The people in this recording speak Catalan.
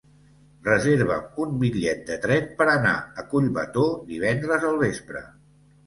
Reserva'm un bitllet de tren per anar a Collbató divendres al vespre.